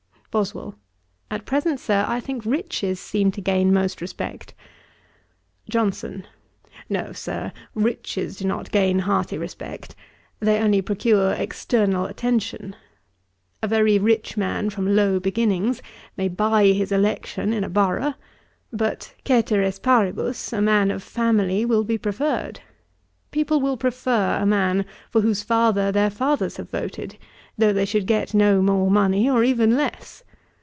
BOSWELL. 'At present, Sir, I think riches seem to gain most respect.' JOHNSON. 'No, Sir, riches do not gain hearty respect; they only procure external attention. A very rich man, from low beginnings, may buy his election in a borough; but, caeteris paribus, a man of family will be preferred. People will prefer a man for whose father their fathers have voted, though they should get no more money, or even less.